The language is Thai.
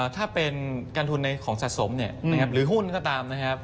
ถ้าเป็นการทุนในของสะสมหรือหุ้นก็ตามนะครับ